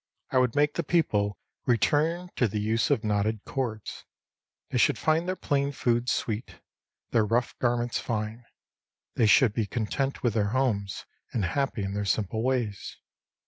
I would make the people return to the use of knotted cords.* They should find their plain food sweet, their rough garments fine. They should be content with their homes, and happy in their simple ways.